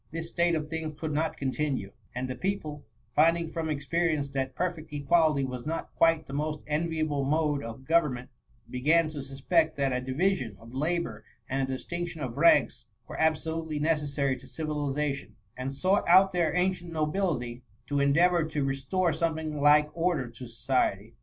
This state of things could not continue ; and the people, finding from experience that perfect equality was not quite the most enviable mode of government, began to suspect that a division of labour and a distinction of ranks were abso* lutely necessary to civilization ; and sought out their ancient nobility, to endeavour to re store something like order to society.